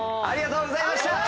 ありがとうございます！